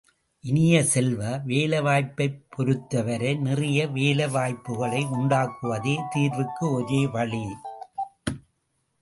இனிய செல்வ, வேலை வாய்ப்பைப் பொருத்தவரை, நிறைய வேலை வாய்ப்புக்களை உண்டாக்குவதே தீர்வுக்குள்ள ஒரே வழி.